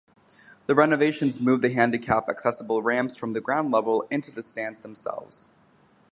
The renovations moved the handicap accessible ramps from ground level into the stands themselves.